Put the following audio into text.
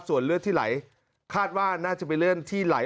ส่วนเลือดที่ไหลคาดว่าน่าจะเป็นเลือดที่ไหล